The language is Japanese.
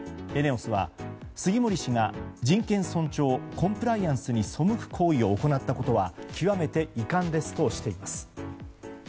ＥＮＥＯＳは杉森氏が人権尊重コンプライアンスに背く行為を行ったことは極めて遺憾ですとしています。